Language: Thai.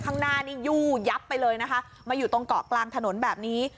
ข้างหน้านี่ยู่ยับไปเลยนะคะมาอยู่ตรงเกาะกลางถนนแบบนี้